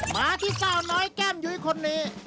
มาที่สาวน้อยแก้มยุ้ยคนนี้